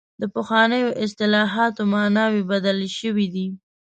د پخوانیو اصطلاحاتو معناوې بدلې شوې دي.